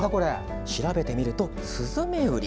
調べてみると、スズメウリ。